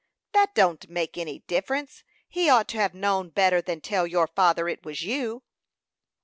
"That don't make any difference. He ought to have known better than tell your father it was you."